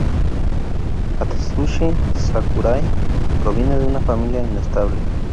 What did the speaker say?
Atsushi Sakurai proviene de una familia inestable.